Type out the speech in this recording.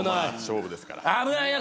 危ないな。